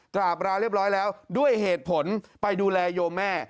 กราบราเรียบร้อยแล้วด้วยเหตุผลไปดูแลโยมแม่